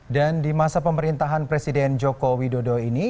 dan di masa pemerintahan presiden joko widodo ini